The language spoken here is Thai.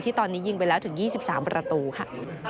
ตอนนี้ยิงไปแล้วถึง๒๓ประตูค่ะ